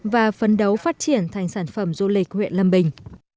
và phấn đấu phát triển thành sản phẩm du lịch huyện lâm bình